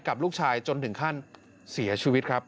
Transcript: กับลูกชายจนถึงขั้นเสียชีวิตครับ